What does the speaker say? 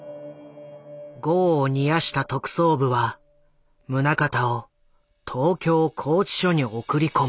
業を煮やした特捜部は宗像を東京拘置所に送り込む。